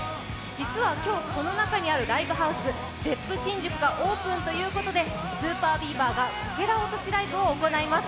実は、今日この中にあるライブハウスＺｅｐｐＳｈｉｎｊｕｋｕがオープンということで、ＳＵＰＥＲＢＥＡＶＥＲがこけら落としライブを行います。